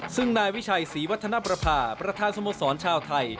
ซึ่งนายวิชัยศรีวัฒนประพาประธานสโมสรชาวไทย